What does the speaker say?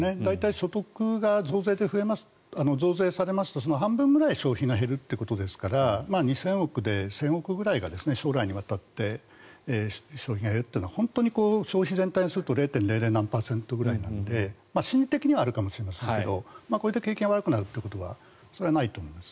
所得が増税されますとその半分ぐらい消費が減るということですから２０００億円で１０００億円くらいが将来にわたって消費が減るというのは消費全体にすると０．００何パーセントぐらいなので心理的にはあるかと思いますがこれで景気が悪くなることはないと思います。